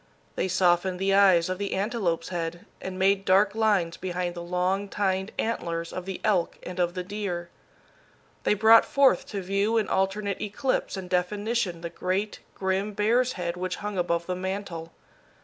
They softened the eyes of the antelope's head, and made dark lines behind the long tined antlers of the elk and of the deer. They brought forth to view in alternate eclipse and definition the great, grim bear's head which hung above the mantel.